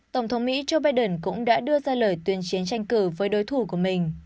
tổng thống mỹ joe biden cũng đã đưa ra lời tuyên chiến tranh cử với đối thủ của mình